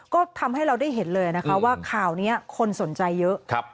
ก็ทำให้เราได้เห็นเลยนะคะว่าข่าวนี้คนสนใจเยอะ